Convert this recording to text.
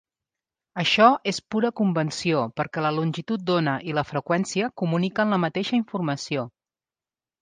Això és pura convenció perquè la longitud d'ona i la freqüència comuniquen la mateixa informació.